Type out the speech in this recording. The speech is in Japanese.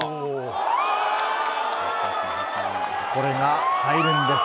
これが入るんです。